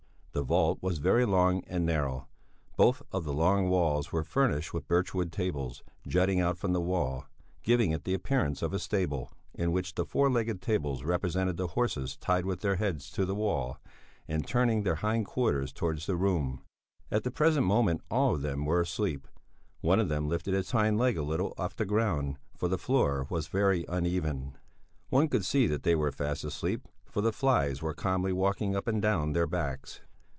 The vault was very long and narrow; both of the long walls were furnished with birchwood tables, jutting out from the wall, giving it the appearance of a stable, in which the four legged tables represented the horses tied with their heads to the wall and turning their hind quarters towards the room; at the present moment all of them were asleep; one of them lifted its hind leg a little off the ground, for the floor was very uneven. One could see that they were fast asleep, for the flies were calmly walking up and down their backs.